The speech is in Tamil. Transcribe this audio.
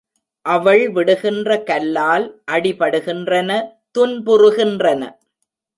அவள் விடுகின்ற கல்லால் அடிபடுகின்றன துன்புறுகின்றன.